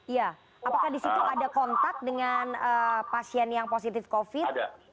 iya apakah di situ ada kontak dengan pasien yang positif covid